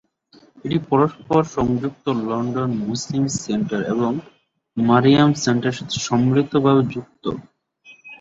এটি পরস্পর সংযুক্ত লন্ডন মুসলিম সেন্টার এবং মারিয়াম সেন্টারের সাথে সম্মিলিতভাবে যুক্ত।